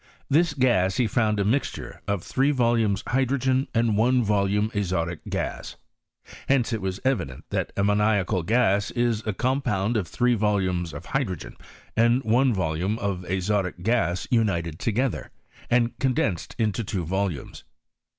This gas he found a mixture of three Tolumes hydrogen Rnd one volume azotic gas: hence it was evident that ammoniacal gas is a compound of three volumes of hydrogen and one volume of azotic gas united together, and condensed into two volumes.